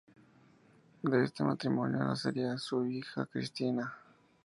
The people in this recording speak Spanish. De este matrimonio nacería su hija Cristina.